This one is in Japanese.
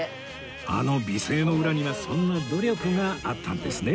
あの美声の裏にはそんな努力があったんですね